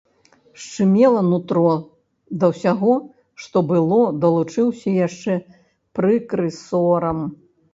Шчымела нутро, да ўсяго, што было, далучыўся яшчэ прыкры сорам.